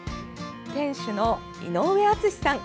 店主の井上篤さん